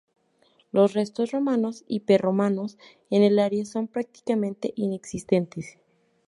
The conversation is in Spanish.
Las restos romanos y prerromanos en el área son prácticamente inexistentes.